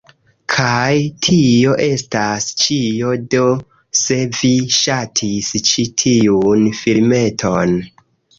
Kaj tio estas ĉio do se vi ŝatis ĉi tiun filmeton